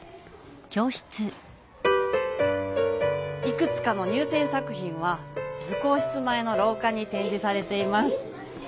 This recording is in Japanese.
いくつかの入せん作品は図工室前のろうかにてんじされています。